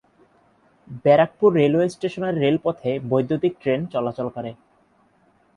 Barrackpore railway স্টেশনের রেলপথে বৈদ্যুতীক ট্রেন চলাচল করে।